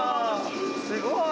すごい！